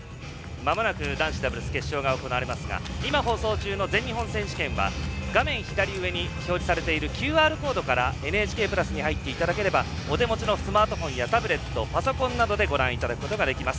まもなく男子ダブルス決勝が行われますが今、放送中の全日本選手権は画面左上に表示されているＱＲコードからＮＨＫプラスに入っていただければお手持ちのスマートフォンやタブレット、パソコンなどでご覧いただくことができます。